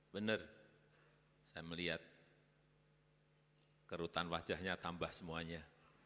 benar saya melihat kerutan wajahnya tambah semuanya